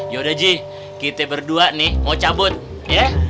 yaudah jih kita berdua nih mau cabut ya